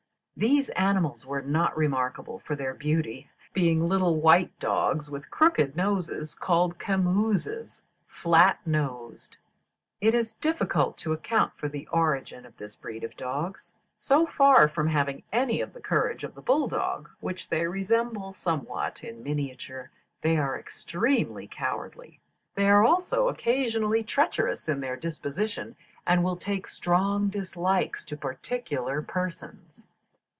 These animals were not remarkable for their beauty, being little white dogs, with crooked noses, called Camuses (flat nosed)." It is difficult to account for the origin of this breed of dogs. So far from having any of the courage of the bulldog, which they resemble somewhat in miniature, they are extremely cowardly. They are also occasionally treacherous in their disposition, and will take strong dislikes to particular persons.